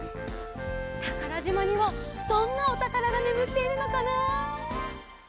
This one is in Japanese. たからじまにはどんなおたからがねむっているのかな？